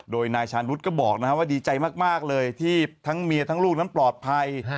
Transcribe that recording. โดยนายชานุษย์ก็บอกว่าดีใจมากเลยที่ทั้งเมียทั้งลูกนั้นปลอดภัย